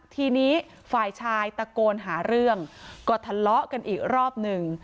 ทีนี้ฝ่ายชายตะโกนหาเรื่องก็ทะเลาะกันอีกรอบหนึ่ง